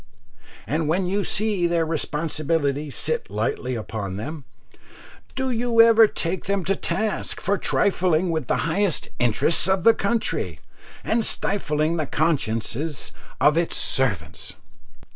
and when you see their responsibilities sit lightly upon them, do you ever take them to task for trifling with the highest interests of the country, and stifling the consciences of its servants?